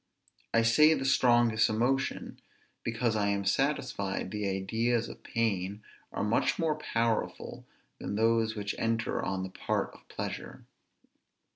I say the strongest emotion, because I am satisfied the ideas of pain are much more powerful than those which enter on the part of pleasure.